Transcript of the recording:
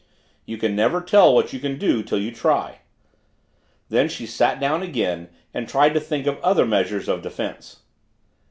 "You never can tell what you can do till you try." Then she sat down again and tried to think of other measures of defense.